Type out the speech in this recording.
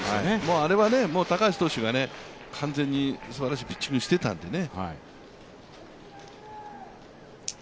あれは高梨投手が完全にすばらしいピッチングしていたんでね。